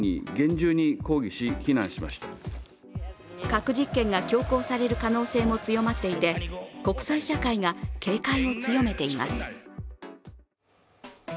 核実験が強行される可能性も強まっていて、国際社会が警戒を強めています。